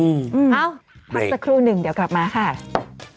เอ้าพักสักครู่หนึ่งเดี๋ยวกลับมาค่ะอุ๊ยไม่มี